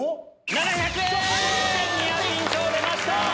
７００円！ニアピン賞出ました！